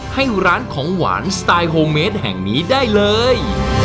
ให้ร้านของหวานสไตล์โฮเมดแห่งนี้ได้เลย